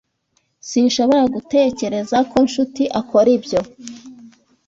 Sinshobora gutekereza ko Nshuti akora ibyo.